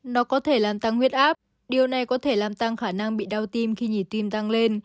nó có thể làm tăng huyết áp điều này có thể làm tăng khả năng bị đau tim khi nhịp tim tăng lên